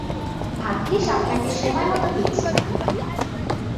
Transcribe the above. ভাগ্যিস আপনাকে সময়মতো পেয়েছিলাম।